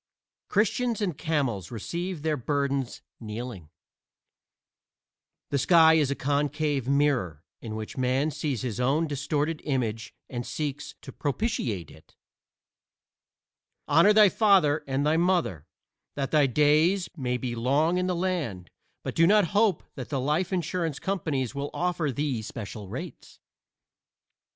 Christians and camels receive their burdens kneeling. The sky is a concave mirror in which Man sees his own distorted image and seeks to propitiate it. Honor thy father and thy mother that thy days may be long in the land, but do not hope that the life insurance companies will offer thee special rates.